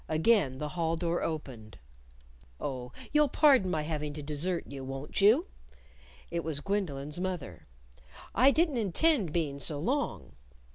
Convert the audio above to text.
Again the hall door opened. "Oh, you'll pardon my having to desert you, won't you?" It was Gwendolyn's mother. "I didn't intend being so long."